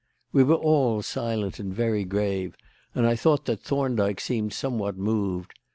We were all silent and very grave, and I thought that Thorndyke seemed somewhat moved.